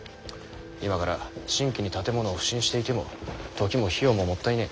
今から新規に建物を普請していても時も費用ももったいねぇ。